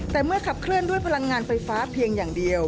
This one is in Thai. แต่เมื่อขับเคลื่อนด้วยพลังงานไฟฟ้าเพียงอย่างเดียว